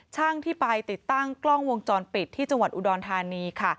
ช่างที่ไปติดตั้งกล้องวงจรปิดที่จังหวัดอุดรธานีค่ะ